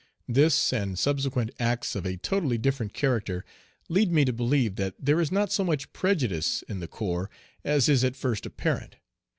This and subsequent acts of a totally different character lead me to believe that there is not so much prejudice in the corps as is at first apparent.